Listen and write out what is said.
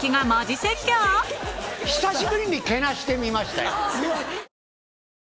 久しぶりにけなしてみましたよ。